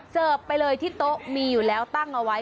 ไปเลยที่โต๊ะมีอยู่แล้วตั้งเอาไว้